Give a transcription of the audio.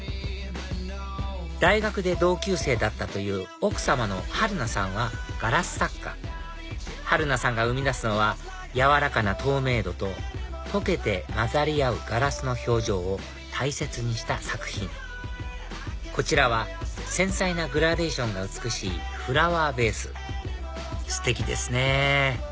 大学で同級生だったという奥さまの春菜さんはガラス作家春菜さんが生み出すのはやわらかな透明度と溶けて混ざり合うガラスの表情を大切にした作品こちらは繊細なグラデーションが美しいフラワーベースステキですね